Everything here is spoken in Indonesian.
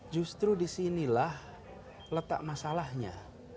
justru disinilah letak masalahnya